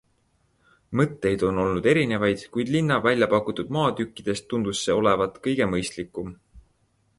Mõtteid on olnud erinevaid, kuid linna väljapakutud maatükkidest tundus see olevat kõige mõistlikum.